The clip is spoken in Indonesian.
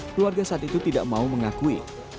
keluarga saat itu tidak mau mengakui